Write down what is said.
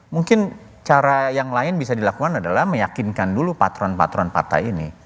mungkin cara yang lain bisa dilakukan adalah meyakinkan dulu patron patron partai ini